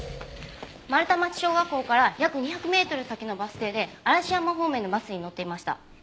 丸太町小学校から約２００メートル先のバス停で嵐山方面のバスに乗っていました。